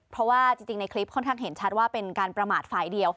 เพราะว่าจริงในคลิปค่อนข้างเห็นชัดว่าเป็นการประมาทฝ่ายเดียว